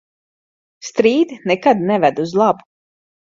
Strīdi nekad neved uz labu.